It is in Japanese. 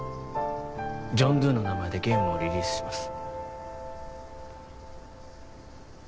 ジョン・ドゥの名前でゲームをリリースします